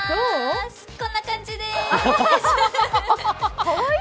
こんな感じでーす。